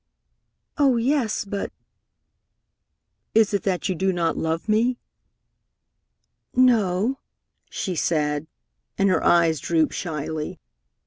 "Oh, yes, but " "Is it that you do not love me?" "No," she said, and her eyes drooped shyly.